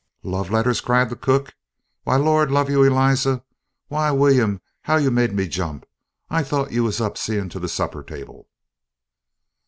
"Love letters!" cried the cook, "why, Lord love you, Eliza Why, William, how you made me jump! I thought you was up seein' to the supper table."